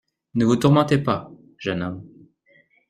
Ne vous tourmentez pas, jeune homme.